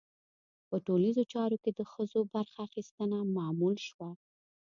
په ټولنیزو چارو کې د ښځو برخه اخیستنه معمول شوه.